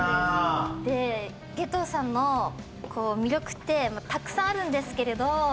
で夏油さんのこう魅力ってまあたくさんあるんですけれど。